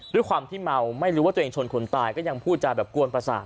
ด้วยความที่เมาไม่รู้ว่าตัวเองชนคนตายก็ยังพูดจาแบบกวนประสาท